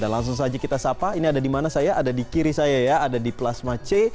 dan langsung saja kita sapa ini ada di mana saya ada di kiri saya ya ada di plasma c